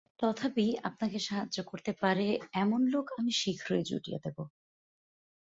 তথাপি আপনাকে সাহায্য করতে পারে, এমন লোক আমি শীঘ্রই জুটিয়ে দেব।